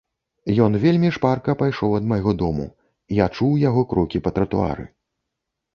Ён вельмі шпарка пайшоў ад майго дому, я чуў яго крокі па тратуары.